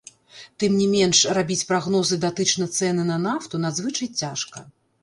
Тым не менш, рабіць прагнозы датычна цэны на нафту надзвычай цяжка.